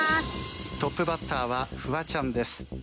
トップバッターはフワちゃんです。